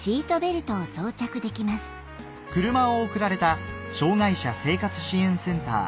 車を贈られた「障害者生活支援センター